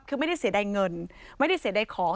คือไม่ได้เสียดายเงินไม่ได้เสียดายของ